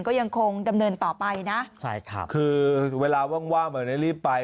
ก็ยังคงดำเนินต่อไปนะใช่ครับคือเวลาว่างแบบนี้รีบไป